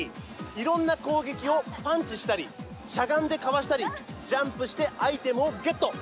いろんな攻撃をパンチしたりしゃがんでかわしたりジャンプしてアイテムをゲット。